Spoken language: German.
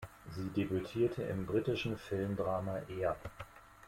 Sie debütierte im britischen Filmdrama "Er?